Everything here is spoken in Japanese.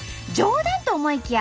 冗談と思いきや